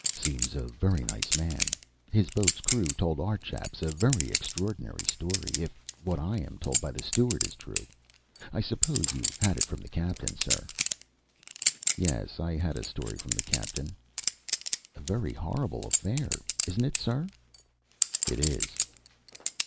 "Seems a very nice man. His boat's crew told our chaps a very extraordinary story, if what I am told by the steward is true. I suppose you had it from the captain, sir?" "Yes. I had a story from the captain." "A very horrible affair isn't it, sir?" "It is."